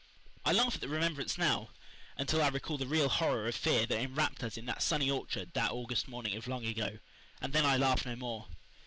I laugh at the remembrance now until I recall the real horror of fear that enwrapped us in that sunny orchard that August morning of long ago; and then I laugh no more.